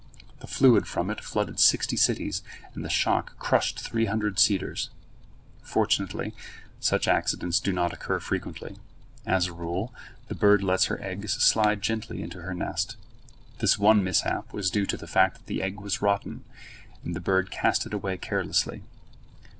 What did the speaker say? The fluid from it flooded sixty cities, and the shock crushed three hundred cedars. Fortunately such accidents do not occur frequently. As a rule the bird lets her eggs slide gently into her nest. This one mishap was due to the fact that the egg was rotten, and the bird cast it away carelessly.